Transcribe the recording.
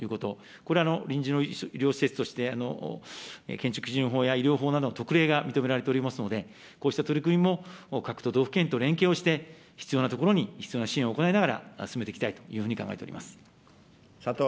これは臨時の医療施設として、建築基準法や医療法などで認められておりますので、こうした取り組みも各都道府県と連携をして、必要な所に必要な支援を行いながら進めていきたいというふうに考えております。